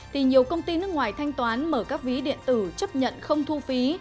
thì nhiều công ty nước ngoài thanh toán mở các ví điện tử chấp nhận không thu phí